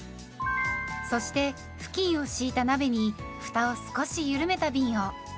そして布巾を敷いた鍋にふたを少しゆるめたびんを。